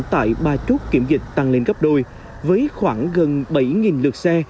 tại ba chốt kiểm dịch tăng lên gấp đôi với khoảng gần bảy lượt xe